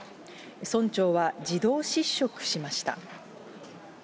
村長は自動失職しました。